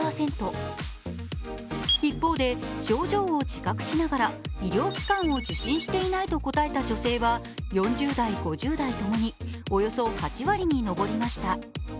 一方で、症状を自覚しながら医療機関を受診していないと答えた女性は４０代、５０代ともにおよそ８割に上りました。